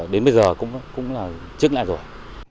đến bây giờ cũng là trước lại rồi